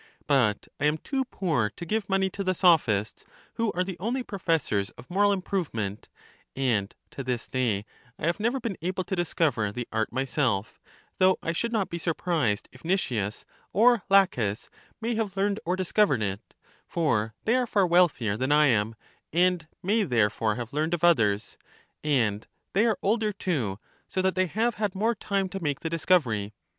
But I am too poor to give money to the Sophists, who are the only professors of moral improvement ; and to this day I have never been able to discover the art myself, though I should not be surprised if Nicias or Laches may have learned or discovered it; for they are far wealthier than I am, and may therefore have learned of others. And they are older too ; so that they have had more time to make the discovery.